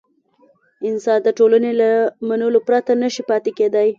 انسان د ټولنې له منلو پرته نه شي پاتې کېدای.